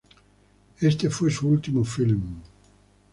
Éste fue su último film.